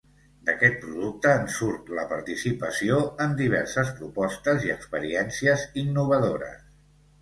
D'aquest producte en surt la participació en diverses propostes i experiències innovadores.